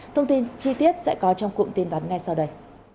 thông tin chi tiết sẽ có trong cụm tin vắn ngay sau đây